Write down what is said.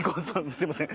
すみません。